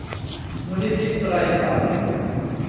มูลนิธิไตรบรรพ